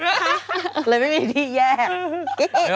อย่างนั้นไม่มีที่แยก